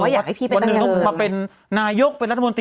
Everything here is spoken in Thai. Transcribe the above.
ว่าอยากให้พี่เป็นการเมือง